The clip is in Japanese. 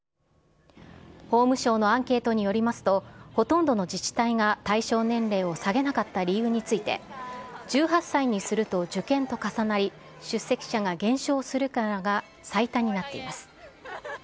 法務省のアンケートによりますと、ほとんどの自治体が対象年齢を下げなかった理由について、１８歳にすると受験と重なり、出席者が減少するからが最多になっています。